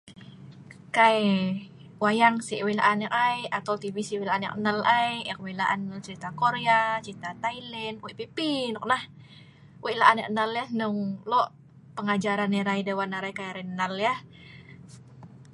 kai wayang si' wei' la'an eek ai, atol tb si wei' e la'an eek nal ai, eek wei' laan nal cerita korea, cerita thailand, wei' pi pi noknah, wei' laan eek nal yah hnung lok pengajaran erai deh wan arai kai arai nal yah